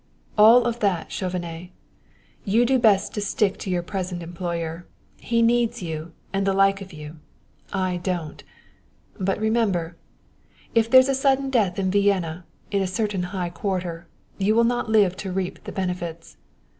"All of that, Chauvenet! You do best to stick to your present employer. He needs you and the like of you I don't! But remember if there's a sudden death in Vienna, in a certain high quarter, you will not live to reap the benefits.